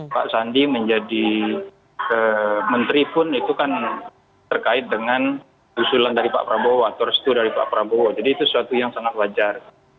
pak sandi menjadi menteri pun itu kan terkait dengan usulan dari pak prabowo atau restu dari pak prabowo jadi itu suatu yang sangat wajar